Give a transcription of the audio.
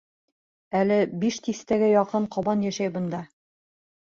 Әле биш тиҫтәгә яҡын ҡабан йәшәй бында.